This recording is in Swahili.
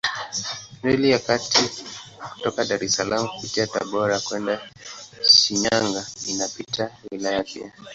Reli ya kati kutoka Dar es Salaam kupitia Tabora kwenda Shinyanga inapita wilayani pia.